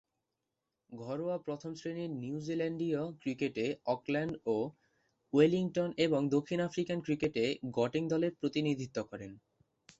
ঘরোয়া প্রথম-শ্রেণীর নিউজিল্যান্ডীয় ক্রিকেটে অকল্যান্ড ও ওয়েলিংটন এবং দক্ষিণ আফ্রিকান ক্রিকেটে গটেং দলের প্রতিনিধিত্ব করেন।